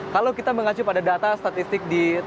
kalau kita mengacu pada data statistik